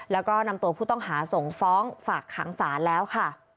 แล้วก็นำตัวผู้ต้องหาส่งฟ้องฝากขังศาลแล้วค่ะ